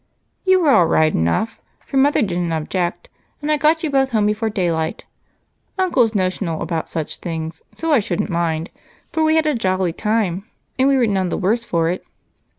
"You were all right enough, for mother didn't object and I got you both home before daylight. Uncle is notional about such things, so I shouldn't mind, for we had a jolly time and we were none the worse for it."